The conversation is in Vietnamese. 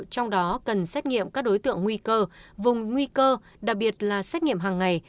trong đó cần xét nghiệm các đối tượng nguy cơ vùng nguy cơ đặc biệt là xét nghiệm hàng ngày